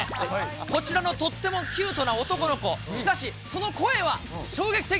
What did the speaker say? こちらのとってもキュートな男の子、しかしその声は衝撃的。